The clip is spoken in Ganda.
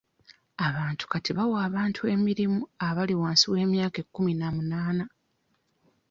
Abantu kati bawa abantu emirimu abali wansi w'emyaka kkumi na munaana